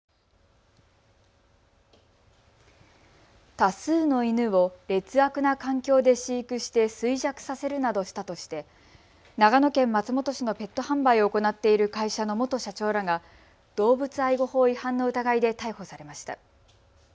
多数の犬を劣悪な環境で飼育して衰弱させるなどしたとして長野県松本市のペット販売を行っている会社の元社長らが動物愛護法違反の疑いで逮捕されました。